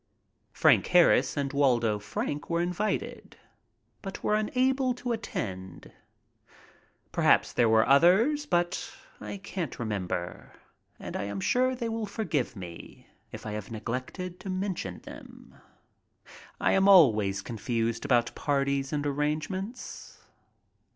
Frank Harris and Waldo Frank were invited, but were unable to attend. Perhaps there were others, but I can't remember, and I am sure they will forgive me if I have neglected to mention them. I am always confused about parties and arrangements.